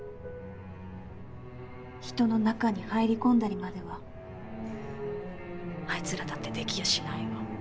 人の中に入り込んだりまではあいつらだってできやしないわ。